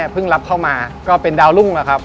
พึ่งรับเข้ามาก็เป็นดาวรุ่งแล้วครับ